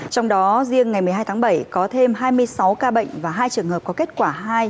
trong đó riêng ngày một mươi hai tháng bảy có thêm hai mươi sáu ca bệnh và hai trường hợp có kết quả hai